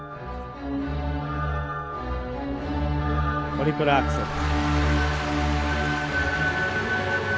トリプルアクセル。